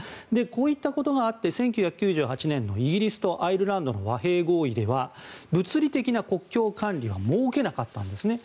こういったことがあって１９９８年のイギリスとアイルランドの和平合意では物理的な国境管理は設けなかったんですね。